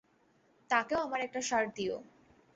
তাকেও আমার একটা শার্ট দিও।